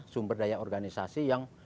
sumber daya organisasi yang